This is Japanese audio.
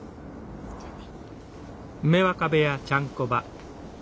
じゃあね。